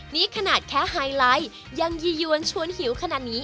นี่ขนาดแค่ไฮไลท์ยังยี่ยวนชวนหิวขนาดนี้